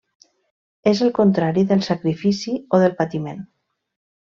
És el contrari del sacrifici o del patiment.